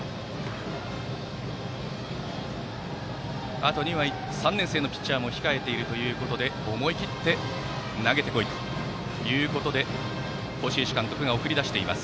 あとには３年生のピッチャーも控えているということで思い切って投げてこいということで輿石監督が送り出しています